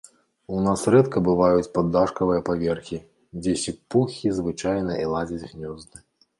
У нас рэдка бываюць паддашкавыя паверхі, дзе сіпухі звычайна і ладзяць гнёзды.